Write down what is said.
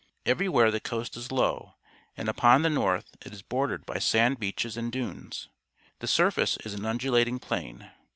Every where the coast is low, and upon the north it is bordered by sand beaches and dunes. The surface is an undulating plain.